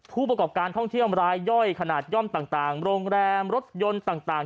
ผู้ประกอบการท่องเที่ยวรายย่อยขนาดย่อมต่างโรงแรมรถยนต์ต่าง